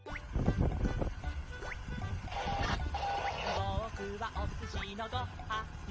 「ぼくはおすしのご・は・ん」